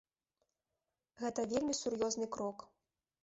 Гэта вельмі сур'ёзны крок.